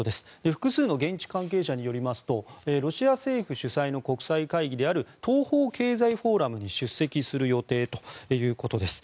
複数の現地関係者によりますとロシア政府主催の国際会議である東方経済フォーラムに出席する予定ということです。